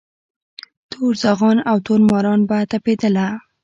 تور زاغان او تور ماران به تپېدله